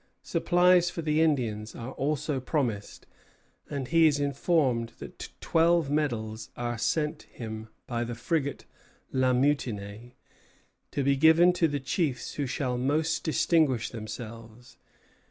Supplies for the Indians are also promised; and he is informed that twelve medals are sent him by the frigate "La Mutine," to be given to the chiefs who shall most distinguish themselves.